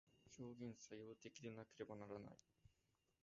表現作用的でなければならない。